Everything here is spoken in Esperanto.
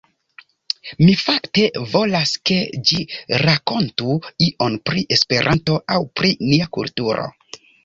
Mi fakte volas ke ĝi rankontu ion pri Esperanto aŭ pri nia kulturo.